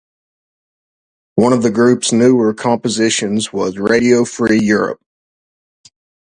One of the group's newer compositions was "Radio Free Europe".